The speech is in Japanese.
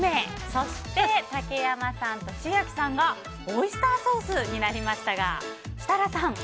そして、竹山さんと千秋さんがオイスターソースになりましたが設楽さん。